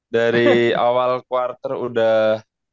dari awal quarter udah